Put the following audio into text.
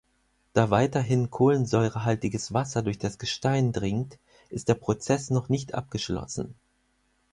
Da weiterhin kohlensäurehaltiges Wasser durch das Gestein dringt, ist der Prozess noch nicht abgeschlossen.